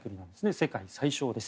世界最小です。